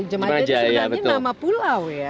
jemaja itu sebenarnya nama pulau ya